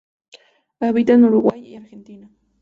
Habita en Uruguay y Argentina.